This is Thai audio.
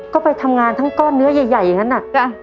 ก็ไปทำงานทั้งก้อนเนื้อใหญ่อย่างนั้นน่ะ